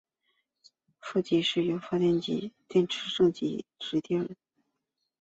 负极是由发电机与电池组的正极接地而实现的。